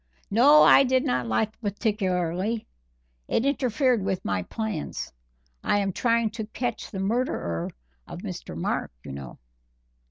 "No, I did not like it particularly it interfered with my plans; I am trying to catch the murderer of Mr. Mark, you know."